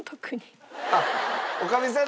あっ女将さん